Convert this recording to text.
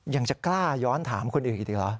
ยังจะกล้าย้อนถามคนอื่นอีกเหรอ